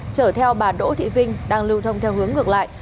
chở theo bà đỗ thị vinh đang lưu thông theo hướng ngược lại